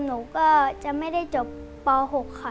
หนูก็จะไม่ได้จบป๖ค่ะ